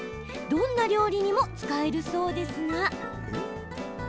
どんな料理にも使えるそうですが。